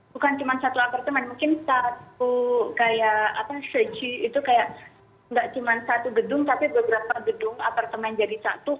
bukan cuma satu apartemen mungkin satu kayak apa itu kayak enggak cuma satu gedung tapi beberapa gedung apartemen jadi satu